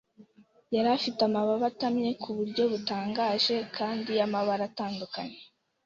Yari afite amababa atamye ku buryo butangaje, kandi y’amabara atandukanye.